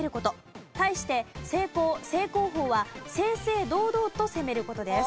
対して正攻正攻法は正々堂々と攻める事です。